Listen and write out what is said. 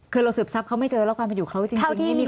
คือโรคสืบทรัพย์เขาไม่เจอแล้วกันมันอยู่เขาจริงนี่มีคนบอกไหม